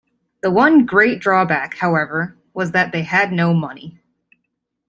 The one great drawback, however, was that they had no money.